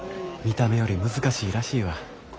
見た目より難しいらしいわ。